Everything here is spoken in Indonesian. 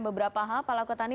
beberapa hal pak lakotani